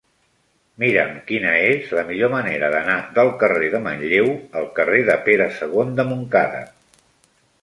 Mira'm quina és la millor manera d'anar del carrer de Manlleu al carrer de Pere II de Montcada.